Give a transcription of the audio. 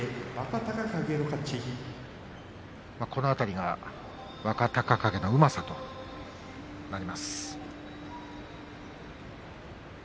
この辺りが若隆景のうまさとなります。